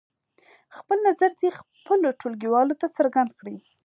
خپل نظر دې خپلو ټولګیوالو ته څرګند کړي.